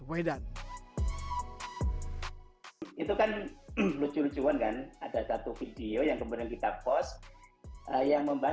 lain lagi dengan nu garis satu